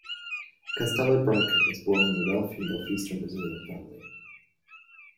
Castelo Branco was born in a wealthy Northeastern Brazilian family.